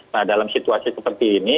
nah dalam situasi seperti ini